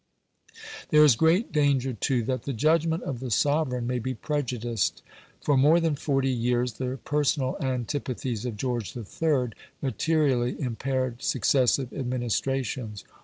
There is great danger, too, that the judgment of the sovereign may be prejudiced. For more than forty years the personal antipathies of George III. materially impaired successive administrations.